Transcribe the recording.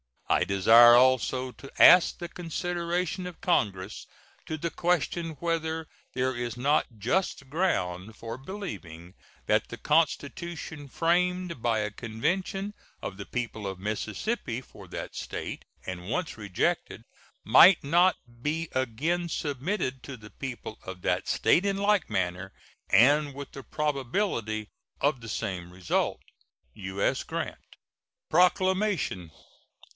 I desire also to ask the consideration of Congress to the question whether there is not just ground for believing that the constitution framed by a convention of the people of Mississippi for that State, and once rejected, might not be again submitted to the people of that State in like manner, and with the probability of the same result. U.S. GRANT. PROCLAMATION.